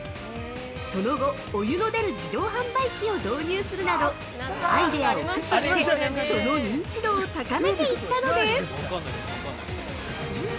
その後、お湯の出る自動販売機を導入するなどアイデアを駆使してその認知度を高めていったのです。